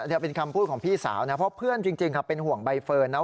นี่เป็นคำพูดของพี่สาวนะเพราะเพื่อนจริงเป็นห่วงใบเฟิร์นนะ